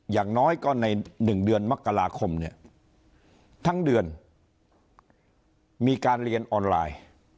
อย่างน้อยก็ใน๑เดือนมกราคมเนี่ยทั้งเดือนมีการเรียนออนไลน์